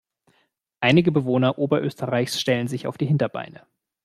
Einige Bewohner Oberösterreichs stellen sich auf die Hinterbeine.